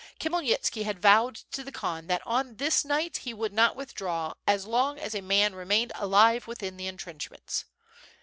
Khmyelnitski had vowed to the Khan that on this night he would not withdraw as long as a man remained alive within the entrenchments.